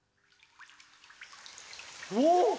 おっ！